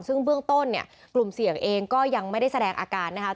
ซึ่งเบื้องต้นเนี่ยกลุ่มเสี่ยงเองก็ยังไม่ได้แสดงอาการนะครับ